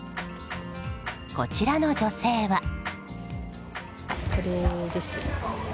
こちらの女性は。